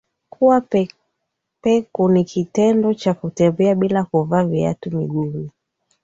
Kuwa peku ni kitendo Cha kutembea bila kuvaa viatu miguuni